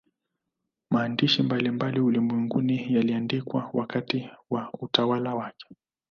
Maandishi mbalimbali ulimwenguni yaliandikwa wakati wa utawala wake